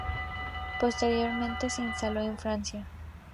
Posteriormente, se instaló en Francia.